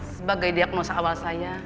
sebagai diagnosa awal saya